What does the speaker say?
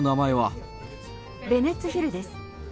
ベネッツヒルです。